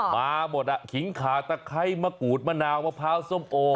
มาหมดขิงขาตะไคร้มะกูดมะนาวมะพร้าวส้มโอ